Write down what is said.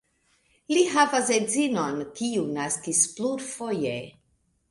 Li havas edzinon, kiu naskis plurfoje.